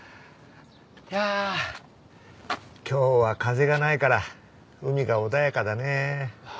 いや今日は風がないから海が穏やかだね。